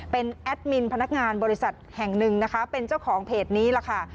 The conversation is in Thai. เป็นแอดมินพนักงานบริษัทแห่งหนึ่งนะคะเป็นเจ้าของเพจนี้ล่ะค่ะ